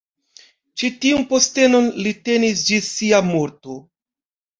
Ĉi tiun postenon li tenis ĝis sia morto.